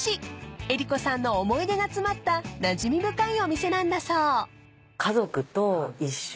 ［江里子さんの思い出が詰まったなじみ深いお店なんだそう］